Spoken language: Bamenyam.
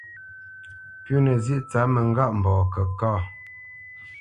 Pʉ̌nǝ zyéʼ tsǎp mǝŋgâʼmbɔɔ kǝ kâ.